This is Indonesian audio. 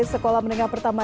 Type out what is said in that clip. sekolah meninggah pertama